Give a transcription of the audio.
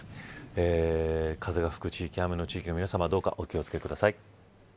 風が吹く地域雨の地域の皆さまどうかお気を付けください。